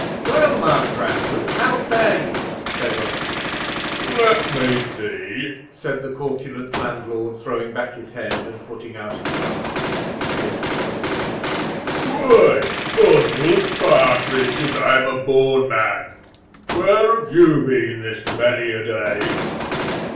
"Well, Master Andrew, how fare you?" said Oswald. "Let me see," said the corpulent landlord, throwing back his head, and putting out his stomach, as he peered at Oswald. "Why, Oswald Partridge, as I am a born man. Where have you been this many a day!"